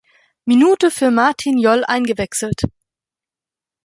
Minute für Martin Jol eingewechselt.